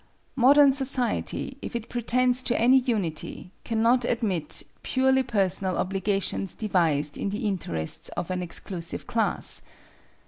Modern society, if it pretends to any unity, cannot admit "purely personal obligations devised in the interests of an exclusive class."